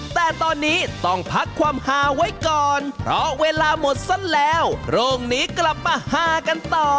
แต่ตอนนี้ต้องพักความหาไว้ก่อนเพราะเวลาหมดซะแล้วโรคนี้กลับมาหากันต่อ